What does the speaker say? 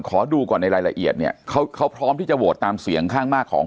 ขอดูก่อนในรายละเอียดเนี่ยเขาเขาพร้อมที่จะโหวตตามเสียงข้างมากของ